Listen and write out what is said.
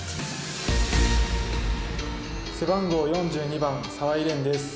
背番号４２番澤井廉です。